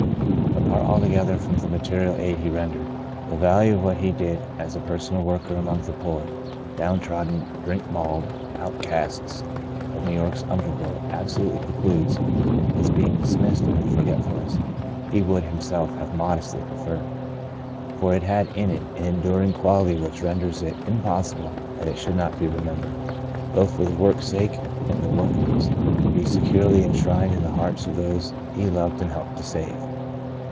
Apart altogether from the material aid he rendered, the value of what he did as a personal worker among the poor, downtrodden, drink mauled out casts of New York's underworld absolutely precludes its being dismissed into the forget fulness he would himself have modestly pre ferred. For it had in it an enduring quality The Greatest of These 27 which renders it impossible that it should not be remembered, both for the work's sake and the workman's, and be securely en shrined in the hearts of those he loved and helped to save.